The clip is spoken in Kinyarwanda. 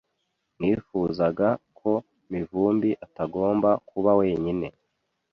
Nifuzaga ko Mivumbi atagomba kuba wenyine.